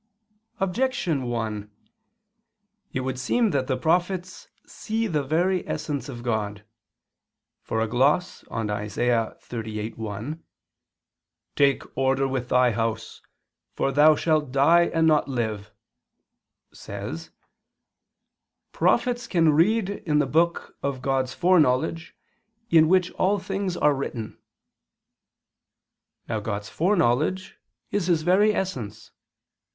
Objection 1: It would seem that the prophets see the very essence of God, for a gloss on Isa. 38:1, "Take order with thy house, for thou shalt die and not live," says: "Prophets can read in the book of God's foreknowledge in which all things are written." Now God's foreknowledge is His very essence.